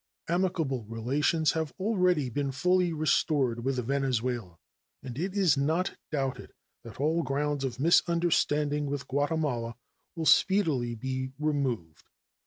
Amicable relations have already been fully restored with Venezuela, and it is not doubted that all grounds of misunderstanding with Guatemala will speedily be removed.